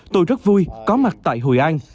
tôi rất vui có mặt tại hội an